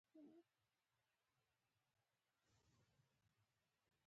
د زابل په دایچوپان کې د کرومایټ نښې شته.